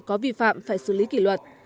có vi phạm phải xử lý kỷ luật